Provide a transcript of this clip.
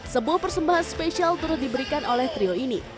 sebuah persembahan spesial turut diberikan oleh trio ini